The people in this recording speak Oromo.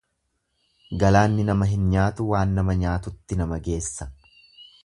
Galaanni nama hin nyaatu waan nama nyaatutti nama geessa.